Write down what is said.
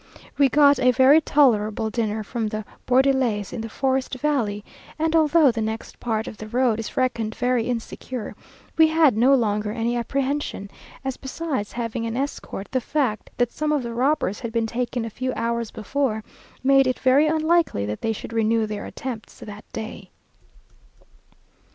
We got a very tolerable dinner from the Bordelaise in the forest valley; and although the next part of the road is reckoned very insecure, we had no longer any apprehension, as besides having an escort, the fact that some of the robbers had been taken a few hours before, made it very unlikely that they would renew their attempts that day.